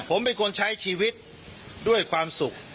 ผมเป็นคนใช้ชีวิตด้วยความสุข